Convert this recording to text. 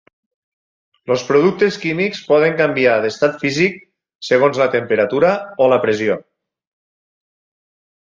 Els productes químics poden canviar d'estat físic segons la temperatura o la pressió.